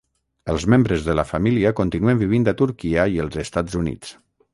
Els membres de la família continuen vivint a Turquia i els Estats Units.